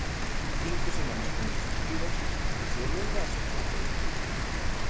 Cinco semanas consecutivas, de segunda a sexta feira.